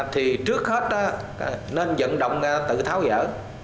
thì trước hết nên dẫn động tự tháo dở